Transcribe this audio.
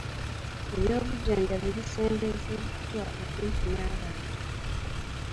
Ebyobujjanjabi bisembezeddwa okumpi n'abantu.